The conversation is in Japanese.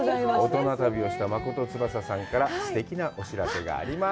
大人旅をした真琴つばささんからすてきなお知らせがあります。